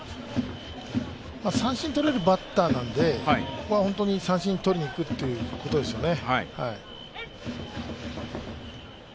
三振取れるバッターなので、ここは本当に三振を取りにいくということですね。